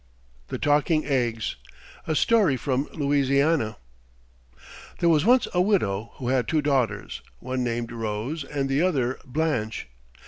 THE TALKING EGGS A STORY FROM LOUISIANA There was once a widow who had two daughters, one named Rose and the other Blanche.